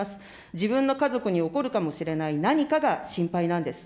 自分の家族に起こるかもしれない何かが心配なんです。